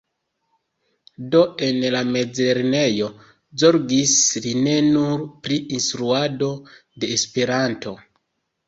Do, en la mezlernejo zorgis li ne nur pri instruado de Esperanto.